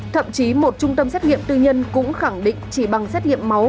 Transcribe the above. thậm chí một trung tâm xét nghiệm tư nhân cũng khẳng định chỉ bằng xét nghiệm máu